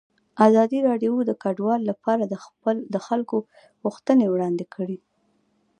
ازادي راډیو د کډوال لپاره د خلکو غوښتنې وړاندې کړي.